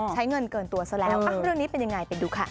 ใช้เงินเกินตัวซะแล้วเรื่องนี้เป็นยังไงไปดูค่ะ